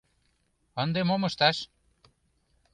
Ынде мом ышташ?..